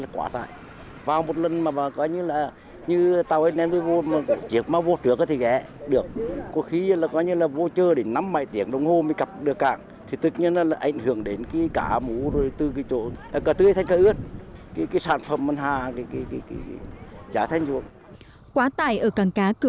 quá tải ở quận hai